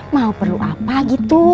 mau perlu apa gitu